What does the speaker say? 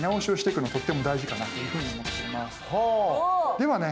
ではね